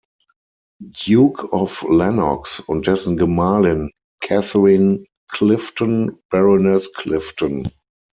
Duke of Lennox und dessen Gemahlin Catherine Clifton, Baroness Clifton.